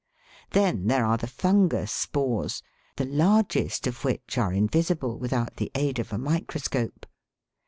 Then there are the fungus spores, the largest of which are invisible without the aid of a microscope.